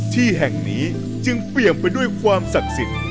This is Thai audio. ที่แห่งนี้จึงเปลี่ยนไปด้วยความศักดิ์สิทธิ์